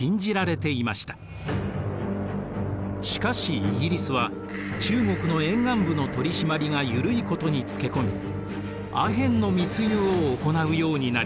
しかしイギリスは中国の沿岸部の取り締まりが緩いことにつけ込みアヘンの密輸を行うようになります。